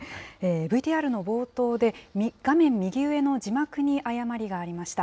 ＶＴＲの冒頭で、画面右上の字幕に誤りがありました。